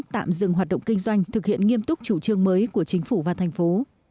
tạm dừng hoạt động kinh doanh thực hiện nghiêm túc chủ trương mới của chính phủ và thành phố